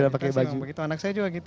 anak saya juga gitu agak susah